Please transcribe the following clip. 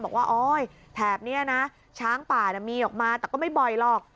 บอกว่าโอ๊ยแถบนี้นะช้างป่ามีออกมาแต่ก็ไม่บ่อยหรอก